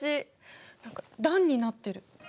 何か段になってる。